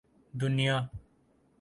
دنیا